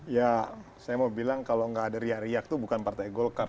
ya saya mau bilang kalau nggak ada riak riak itu bukan partai golkar